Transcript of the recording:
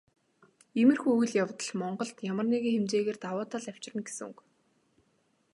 Иймэрхүү үйл явдал Монголд ямар нэгэн хэмжээгээр давуу тал авчирна гэсэн үг.